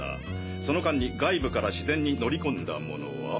その間に外部から市電に乗り込んだ者は？